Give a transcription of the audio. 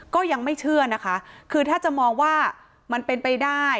ก็ยังไม่เชื่อนะคะคือถ้าจะมองว่ามันเป็นไปได้